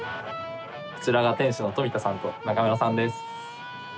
こちらが店主の富田さんと仲村さんです。